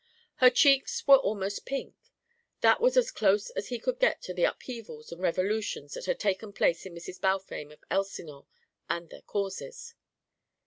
Her cheeks were almost pink. That was as close as he could get to the upheavals and revolutions that had taken place in Mrs. Balfame of Elsinore; and their causes.